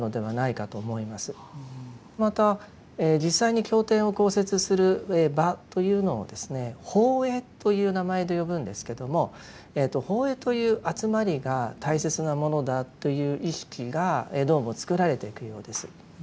また実際に経典を講説する場というのをですね法会という名前で呼ぶんですけれども法会という集まりが大切なものだという意識がどうも作られていくようです。